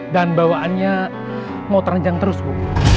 bawaannya mau terenjang terus bu